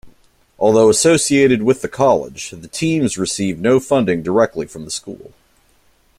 Although associated with the college, the team receives no funding directly from the school.